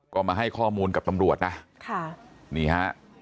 ก็มาให้ข้อมูลกับตำรวจนะค่ะนี่ฮะ